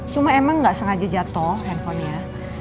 cuma emang gak sengaja jatoh handphonenya